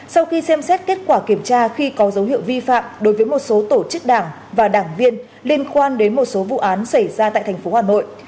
sau khi xem xét kết quả kiểm tra khi có dấu hiệu vi phạm đối với một số tổ chức đảng và đảng viên liên quan đến một số vụ án xảy ra tại tp hà nội